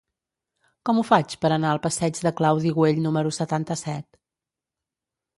Com ho faig per anar al passeig de Claudi Güell número setanta-set?